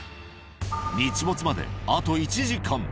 日没まであと１時間。